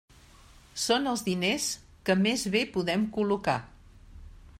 Són els diners que més bé podem col·locar.